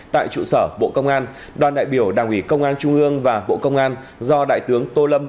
tại trụ sở bộ công an đoàn đại biểu đảng ủy công an trung ương và bộ công an do đại tướng tô lâm